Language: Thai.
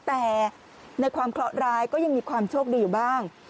แต่ในความเคราะห์ร้ายก็ยังมีความโชคดีอยู่บ้าง